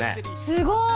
すごい。